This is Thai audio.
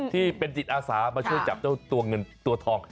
ที่เป็นจิตอาสามาช่วยจับเจ้าตัวเงินตัวทอง